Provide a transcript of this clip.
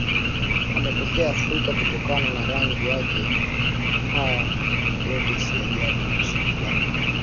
ametokea Afrika kutokana na rangi yake Haya yote si ajabu Nchi za